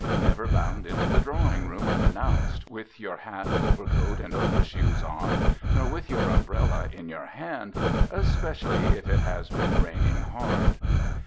Never bound into the drawing room unannounced, with your hat, overcoat and overshoes on, nor with your umbrella in your hand, especially if it has been raining hard.